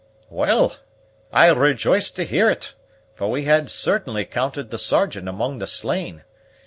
"Well I rejoice to hear it, for we had certainly counted the Sergeant among the slain.